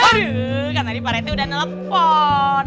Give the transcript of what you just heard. aduh kan tadi pak rt udah telepon